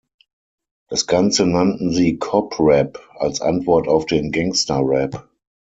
Das Ganze nannten sie "Cop Rap" als Antwort auf den Gangsta-Rap.